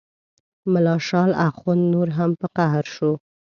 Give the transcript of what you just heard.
ملا شال اخند نور هم په قهر شو.